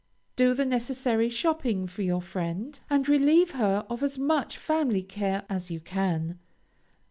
Do the necessary shopping for your friend, and relieve her of as much family care as you can.